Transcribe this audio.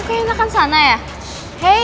aku menggunakan masa pastel